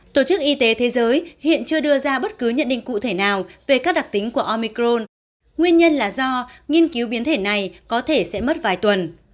tổ chức y tế thế giới hiện chưa đưa ra bất cứ nhận định cụ thể nào về các đặc tính của omicrone nguyên nhân là do nghiên cứu biến thể này có thể sẽ mất vài tuần